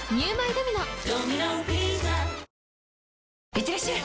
いってらっしゃい！